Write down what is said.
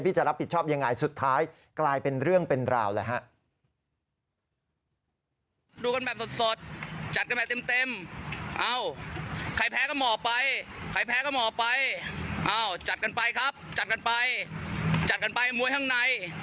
จะรับผิดชอบยังไงสุดท้ายกลายเป็นเรื่องเป็นราวเลยฮะ